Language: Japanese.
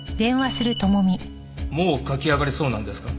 もう書き上がりそうなんですか？